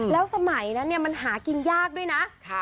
แล้วสมัยนั้นมันหากินยากด้วยนะ